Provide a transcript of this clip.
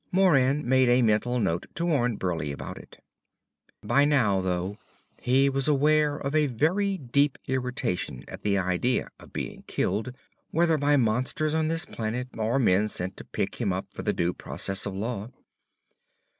Moran made a mental note to warn Burleigh about it. By now, though, he was aware of a very deep irritation at the idea of being killed, whether by monsters on this planet or men sent to pick him up for due process of law.